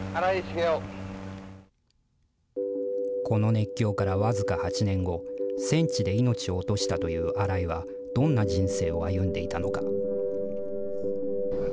この熱狂から僅か８年後、戦地で命を落としたという新井は、どんな人生を歩んでいたのか。